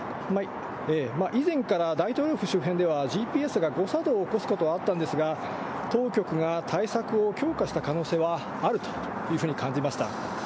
以前から大統領府周辺では、ＧＰＳが誤作動を起こすことはあったんですが、当局が対策を強化した可能性はあるというふうに感じました。